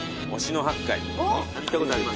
行ったことあります？